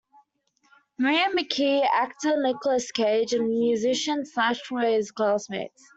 Maria McKee, actor Nicolas Cage and musician Slash were his classmates.